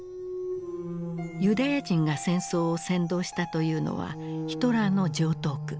ユダヤ人が戦争を扇動したというのはヒトラーの常套句。